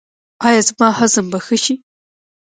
ایا زما هضم به ښه شي؟